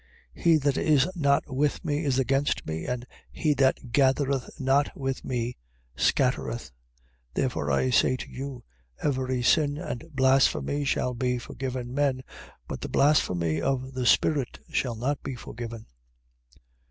12:30. He that is not with me, is against me: and he that gathereth not with me, scattereth. 12:31. Therefore I say to you: Every sin and blasphemy shall be forgiven men, but the blasphemy of the Spirit shall not be forgiven.